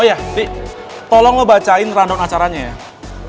oh iya dik tolong lo bacain random acaranya ya